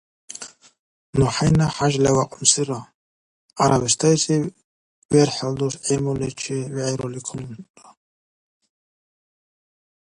Ну хӀяйна хӀяжли вякьунсира, ГӀярабистайзив верхӀел дус гӀилмуличи вегӀирули калунра.